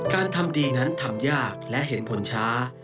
การทำดีนั้นทำยากและเห็นผลช้า